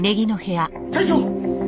隊長！